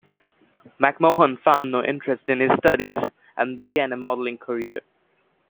McMahon found no interest in his studies, and began a modelling career.